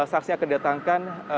saksi yang akan didatangkan